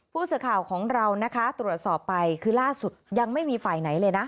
ผู้สื่อข่าวของเรานะคะตรวจสอบไปคือล่าสุดยังไม่มีฝ่ายไหนเลยนะ